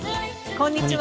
こんにちは。